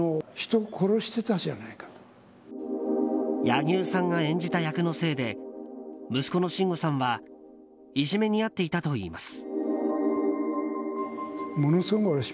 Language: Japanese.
柳生さんが演じた役のせいで息子の真吾さんはいじめに遭っていたといいます。